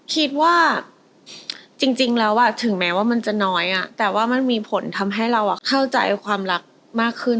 คิดว่าจริงแล้วถึงแม้ว่ามันจะน้อยแต่ว่ามันมีผลทำให้เราเข้าใจความรักมากขึ้น